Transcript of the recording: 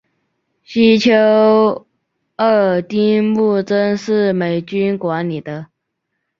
西丘二丁目曾是美军管理的。